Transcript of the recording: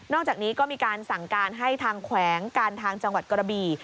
อกจากนี้ก็มีการสั่งการให้ทางแขวงการทางจังหวัดกระบี่